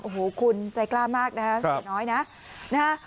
โอ้โหคุณใจกล้ามากนะฮะเสียน้อยนะนะฮะ